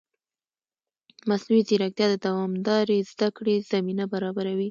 مصنوعي ځیرکتیا د دوامدارې زده کړې زمینه برابروي.